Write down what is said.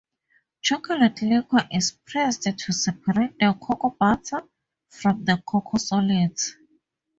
Chocolate liquor is pressed to separate the cocoa butter from the cocoa solids.